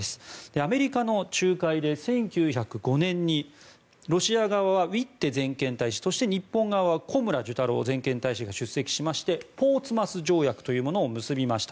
アメリカの仲介で１９０５年にロシア側はウィッテ全権大使とそして、日本側は小村寿太郎全権大使が出席しましてポーツマス条約というものを結びました。